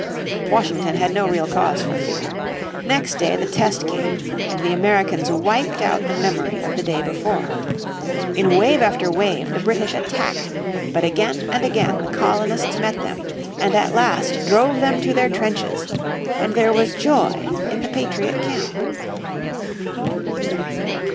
Washington had no real cause for fear. Next day the test came, and the Americans wiped out the memory of the day before. In wave after wave the British attacked, but again and again the colonists met them, and at last drove them to their trenches; and there was joy in the patriot camp.